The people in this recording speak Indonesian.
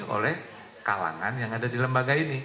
oleh kalangan yang ada di lembaga ini